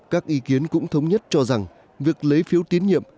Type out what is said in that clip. các ý kiến cũng thống nhất cho rằng việc lấy phiếu tín nhiệm